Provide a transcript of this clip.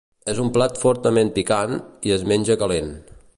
És un plat fortament picant, i es menja calent.